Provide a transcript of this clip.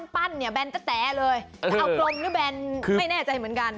ปั้นแบนก็แต๋เลยเอากรมลือแบนไม่แน่ใจเหมือนกัน